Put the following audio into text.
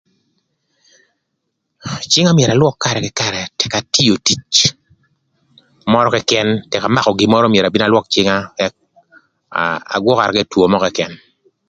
Cïnga myero alwök karë kï karë tëk atio tic mörö këkën, tëk amakö gin mörö myero abin alwök cïnga ëk agwökara kï ï two mörö këkën.